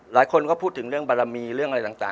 หลายคนก็พูดถึงเรื่องบารมีเรื่องอะไรต่าง